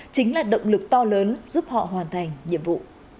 chính là động lực to lớn giúp họ hoàn thành nhiệm vụ